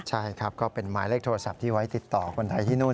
ใช่ครับก็เป็นหมายเลขโทรศัพท์ที่ไว้ติดต่อคนไทยที่นู่น